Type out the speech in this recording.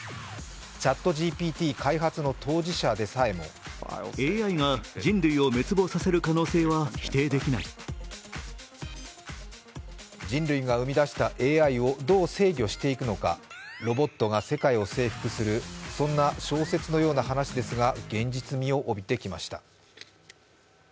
ＣｈａｔＧＰＴ開発の当事者でさえも人類が生み出したＡＩをどう制御していくのかロボットが世界を征服する、そんな小説のような話ですが現実味を帯びてきました。